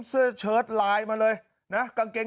สมัยไม่เรียกหวังผม